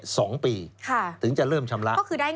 ค่ะคือได้งานถึงจะเริ่มชำระ